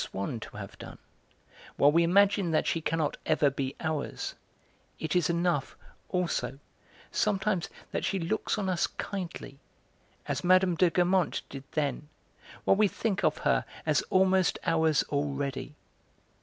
Swann to have done, while we imagine that she cannot ever be ours, it is enough, also, sometimes that she looks on us kindly, as Mme. de Guermantes did then, while we think of her as almost ours already.